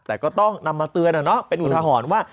แต่ก็ต้องนำมาเตือนเป็นอุทหรณ์ว่า